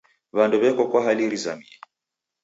W'andu w'eko kwa hali rizamie.